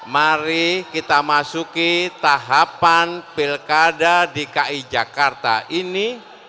mari kita masuki tahapan pilkada di ki jakarta ini